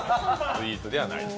スイーツではないと。